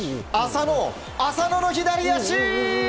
浅野の左足！